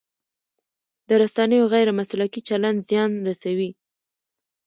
د رسنیو غیر مسلکي چلند زیان رسوي.